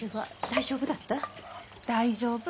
大丈夫。